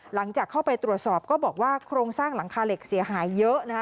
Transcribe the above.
หลังจากเข้าไปตรวจสอบก็บอกว่าโครงสร้างหลังคาเหล็กเสียหายเยอะนะคะ